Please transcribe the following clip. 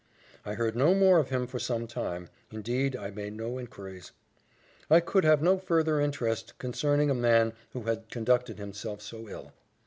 I heard no more of him for some time indeed I made no inquiries. I could have no farther interest concerning a man who had conducted himself so ill.